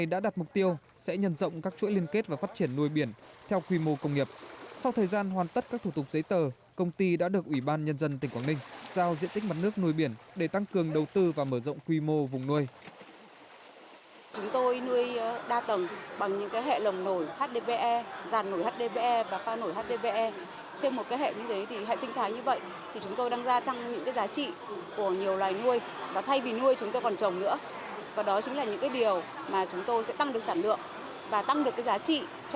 và đó chính là những điều mà chúng tôi sẽ tăng được sản lượng và tăng được giá trị cho một vùng diện tích